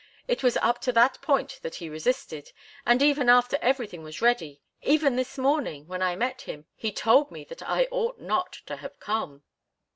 It was up to that point that he resisted and even after everything was ready even this morning, when I met him, he told me that I ought not to have come."